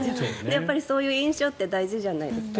やっぱりそういう印象って大事じゃないですか。